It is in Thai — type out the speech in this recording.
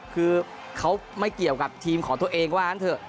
คือเขาไม่เกี่ยวกับทีมของตัวเองว่างั้นเถอะ